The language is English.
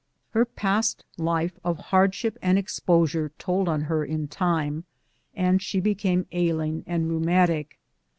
Her past life of hardship and exposure told on her in time, and she became ailing and rheumatic.